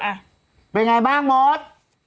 เป็นอย่างไรบ้างมด